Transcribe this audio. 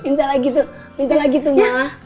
minta lagi tuh minta lagi tuh mah